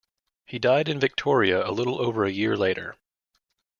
He died in Victoria a little over a year later.